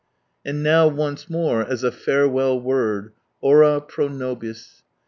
And now once more, as a farewell word, " Ora pro nobis."